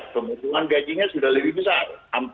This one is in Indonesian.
pemotongan gajinya sudah lebih besar